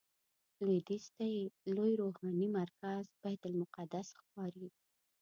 لویدیځ ته یې لوی روحاني مرکز بیت المقدس ښکاري.